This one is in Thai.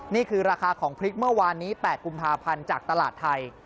นี่คือราคาของพริกเมื่อวานนี้๘กุมภาพันธ์จากตลาดไทย